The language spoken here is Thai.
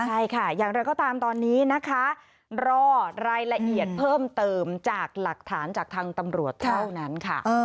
ใช่ค่ะอย่างไรก็ตามตอนนี้นะคะรอรายละเอียดเพิ่มเติมจากหลักฐานจากทางตำรวจเท่านั้นค่ะ